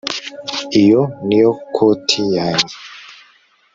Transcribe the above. iyo niyo koti yanjye